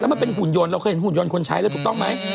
มันเป็นหุ่นยนต์เราเคยเห็นหุ่นยนต์คนใช้แล้วถูกต้องไหม